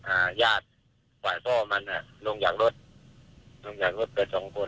อ่าญาติฝ่ายพ่อมันอ่ะลงอย่างรถลงอย่างรถเป็นสองคน